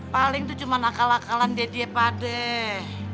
paling itu cuma akal akalan dia dia padeh